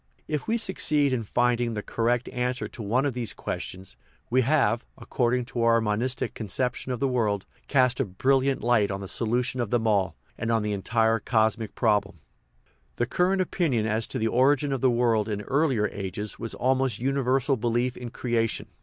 If we succeed in finding the correct answer to one of these questions, we have, according to our monistic concep tion of the world, cast a brilliant light on the solution of them all, and on the entire cosmic problem. The current opinion as to the origin of the world in earlier ages was almost a universal belief in creation.